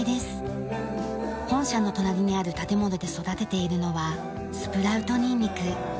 本社の隣にある建物で育てているのはスプラウトニンニク。